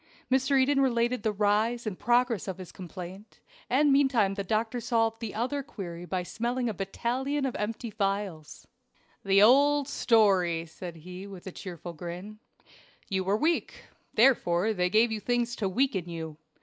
Mr. Eden related the rise and progress of his complaint, and meantime the doctor solved the other query by smelling a battalion of empty phials. "The old story," said he with a cheerful grin. "You were weak therefore they gave you things to weaken you.